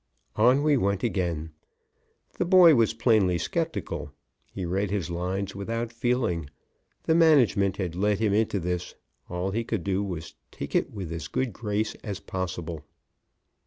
On we went again. The boy was plainly skeptical. He read his lines without feeling. The management had led him into this; all he could do was to take it with as good grace as possible.